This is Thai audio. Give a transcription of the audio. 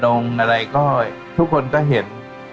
ลงอะไรก็ทุกคนก็เห็น